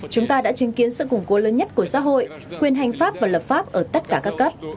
chúng ta đã chứng kiến sự củng cố lớn nhất của xã hội quyền hành pháp và lập pháp ở tất cả các cấp